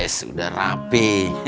wess udah rapi